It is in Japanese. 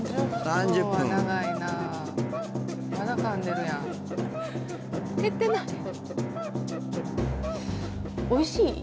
３０分は長いなまだ噛んでるやん減ってないおいしい？